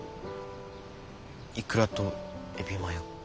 いくらとエビマヨ。